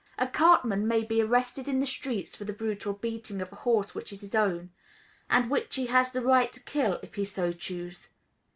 A cartman may be arrested in the streets for the brutal beating of a horse which is his own, and which he has the right to kill if he so choose.